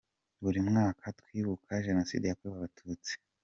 Buri mwaka twibuka Jenoside yakorewe Abatutsi.